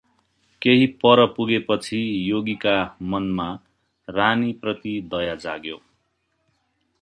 केही पर पुगेपछि योगीका मनमा रानीप्रति दया जाग्यो ।